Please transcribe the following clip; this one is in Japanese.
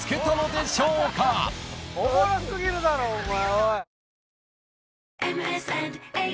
おもろ過ぎるだろお前おい。